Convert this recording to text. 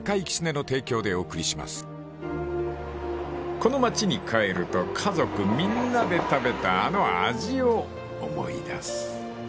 ［この町に帰ると家族みんなで食べたあの味を思い出す］